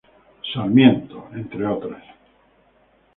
Sarmiento, entre otras.